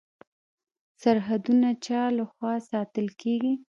سرحدونه چا لخوا ساتل کیږي؟